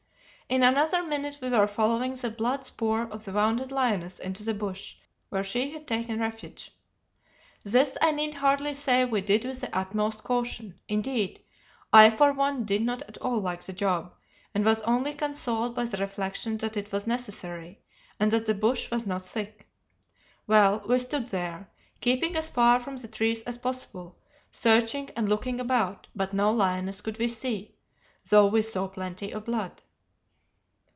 "In another minute we were following the blood spoor of the wounded lioness into the bush, where she had taken refuge. This, I need hardly say, we did with the utmost caution; indeed, I for one did not at all like the job, and was only consoled by the reflection that it was necessary, and that the bush was not thick. Well, we stood there, keeping as far from the trees as possible, searching and looking about, but no lioness could we see, though we saw plenty of blood.